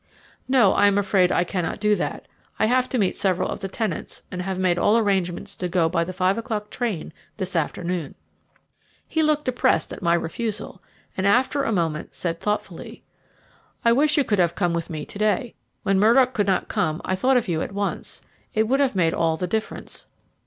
"No, I am afraid I cannot do that. I have to meet several of the tenants, and have made all arrangements to go by the five o'clock train this afternoon." He looked depressed at my refusal, and after a moment said thoughtfully: "I wish you could have come with me to day. When Murdock could not come I thought of you at once it would have made all the difference."